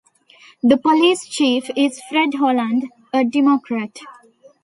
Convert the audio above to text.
The police chief is Fred Holland, a Democrat.